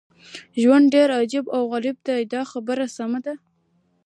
ژوند ډېر عجیب او غریب دی دا خبره سمه ده.